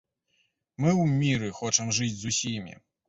Мы ў міры хочам жыць з усімі.